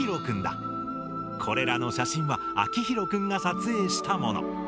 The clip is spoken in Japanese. これらの写真はアキヒロくんが撮影したもの。